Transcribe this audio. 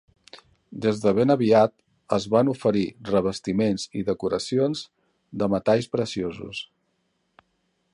Des de ben aviat, es van oferir revestiments i decoracions de metalls preciosos.